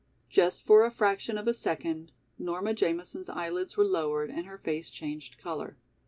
Just for a fraction of a second Nora Jamison's eyelids were lowered and her face changed color.